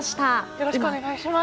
よろしくお願いします。